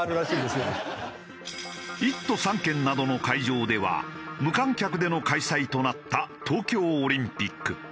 １都３県などの会場では無観客での開催となった東京オリンピック。